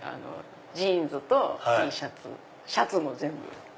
ジーンズとＴシャツシャツも全部。